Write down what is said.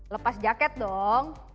lepas jaket dong